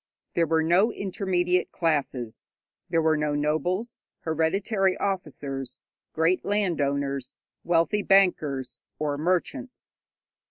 There were no intermediate classes. There were no nobles, hereditary officers, great landowners, wealthy bankers or merchants.